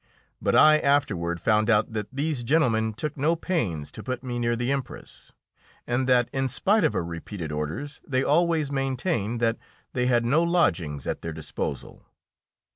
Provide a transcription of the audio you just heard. But I afterward found out that these gentlemen took no pains to put me near the Empress, and that in spite of her repeated orders they always maintained that they had no lodgings at their disposal.